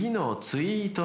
・ツイート。